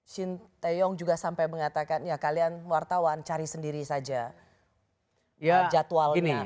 shin taeyong juga sampai mengatakan ya kalian wartawan cari sendiri saja jadwalnya